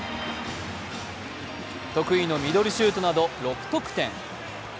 得意のミドルシュートなど６得点。